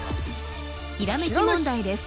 ひらめき問題です